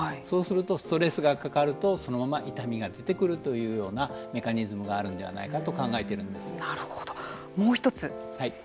そうするとストレスがかかるとそのまま痛みが出てくるというようなメカニズムがあるのではないかともう一つ。